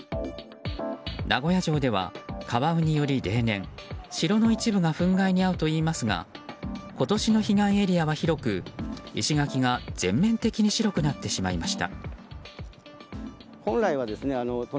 名古屋城ではカワウにより例年城の一部がふん害に遭うといいますが今年の被害エリアは広く石垣が全面的に白くなってしまいました。